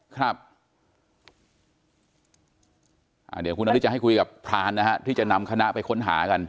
เดี๋ยวคุณนาริสจะให้คุยกับพรานนะฮะที่จะนำคณะไปค้นหากัน